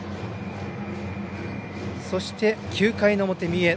そして、９回の表、三重。